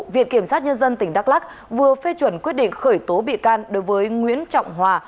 viện kiểm sát nhân dân tỉnh đắk lắc vừa phê chuẩn quyết định khởi tố bị can đối với nguyễn trọng hòa